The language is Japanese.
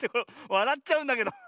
わらっちゃうんだけど。